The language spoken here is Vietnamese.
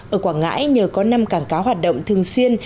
ở quảng ngãi nhờ có năm cảng cá hoạt động thường xuyên